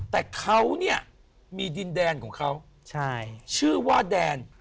แต่เขาเนี่ยมีดินแดนของเขาชื่อว่าแดน